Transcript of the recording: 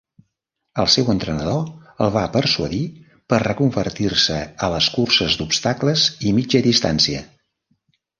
El seu entrenador el va persuadir per reconvertir-se a les curses d'obstacles i mitja distància.